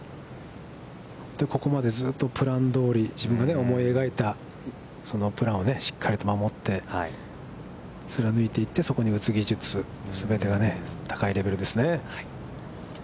ここまでずっとプランどおり、自分が思い描いた、そのプランをしっかりと守って、貫いていってそこに打つ技術、全てが高いレベルですね。